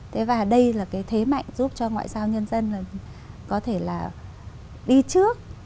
thế và đây là cái thế mạnh giúp cho ngoại giao nhân dân có thể là đi trước